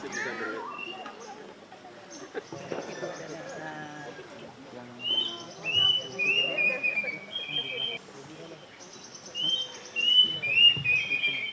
dengan lebih cepat